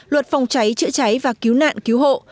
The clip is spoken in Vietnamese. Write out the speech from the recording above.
luật phòng cháy chữa cháy và cứu nạn cứu hộ